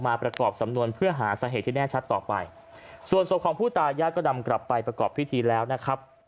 ประกอบสำนวนเพื่อหาสาเหตุที่แน่ชัดต่อไปส่วนศพของผู้ตายญาติก็นำกลับไปประกอบพิธีแล้วนะครับ